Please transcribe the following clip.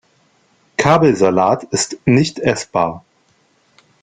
Kabelsalat ist nicht essbar.